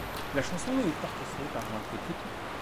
La chanson est orchestrée par Jean-Claude Petit.